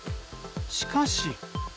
しかし。